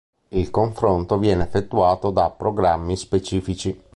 Il confronto viene effettuato da programmi specifici.